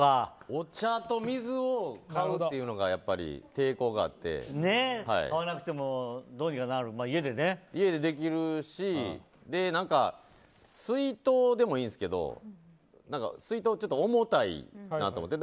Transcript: お茶と水を買うっていうのがやっぱり買わなくてもどうにかなるから家でできるしあと、水筒でもいいんですけど水筒はちょっと重たいなと思って。